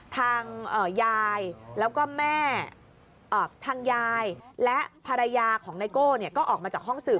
ทางยายแล้วก็แม่ทางยายและภรรยาของไนโก้ก็ออกมาจากห้องสืบ